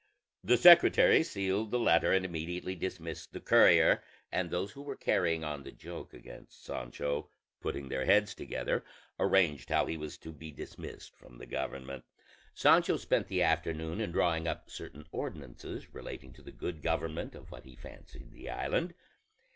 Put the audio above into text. The secretary sealed the letter and immediately dismissed the courier; and those who were carrying on the joke against Sancho, putting their heads together, arranged how he was to be dismissed from the government. Sancho spent the afternoon in drawing up certain ordinances relating to the good government of what he fancied the island....